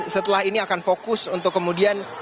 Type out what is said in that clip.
setelah ini akan fokus untuk kemudian